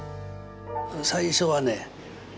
最初はね